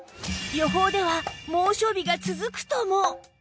予報では猛暑日が続くとも